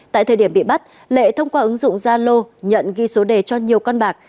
tại thời điểm bị bắt lệ thông qua ứng dụng zalo nhận ghi số đề cho nhiều con bạc